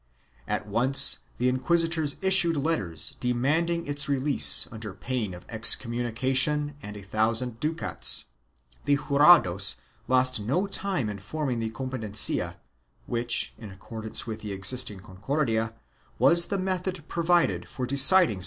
At once the inquisi tors issued letters demanding its release under pain of excom munication and a thousand ducats. The jurados lost no time in forming the competencia, which, in accordance with the exist ing Concordia, was the method provided for deciding such 1 Archive de Simancas, Inquisition, Libro 19, fol.